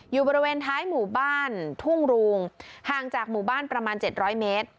อยู่บริเวณท้ายหมู่บ้านทุ่งรูงห่างจากหมู่บ้านประมาณ๗๐๐เมตร